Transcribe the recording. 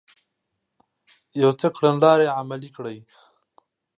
يو څه کړنلارې عملي کړې